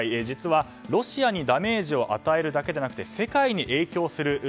実はロシアにダメージを与えるだけでなく世界に影響する。